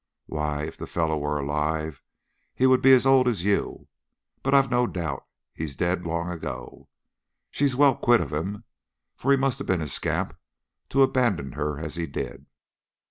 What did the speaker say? Why, if the fellow were alive he would be as old as you, but I've no doubt he's dead long ago. She's well quit of him, for he must have been a scamp to abandon her as he did."